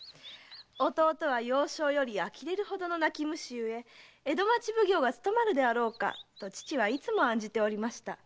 「弟は幼少よりあきれるほどの泣き虫ゆえ江戸町奉行は務まるであろうか？」と父はいつも案じておりました。